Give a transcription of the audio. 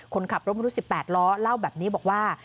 คนขับรถบรรทุก๑๘ล้อเล่าแบบนี้บอกว่า